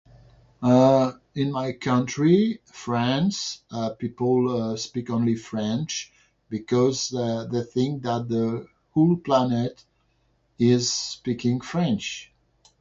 Uh, in my country, France, uh, people, uh, speak only French because, uh, they think that the whole planet is speaking French.